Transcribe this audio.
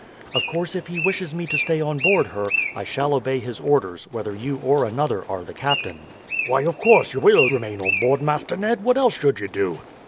Of course if he wishes me to stay on board her I shall obey his orders, whether you or another are the captain." "Why, of course, you will remain on board, Master Ned. What else should you do?"